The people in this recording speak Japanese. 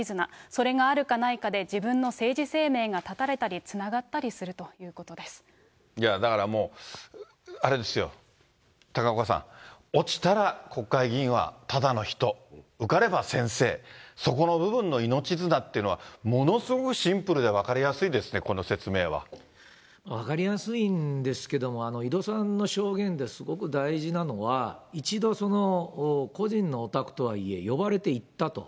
それがあるかないかで、自分の政治生命が絶たれたり、つながったいや、だからもう、あれですよ、高岡さん、落ちたら国会議員はただの人、受かれば先生、そこの部分の命綱っていうのは、ものすごいシンプルで分かりやすいですね、分かりやすいんですけども、井戸さんの証言ですごく大事なのは、一度、個人のお宅とはいえ、呼ばれて行ったと。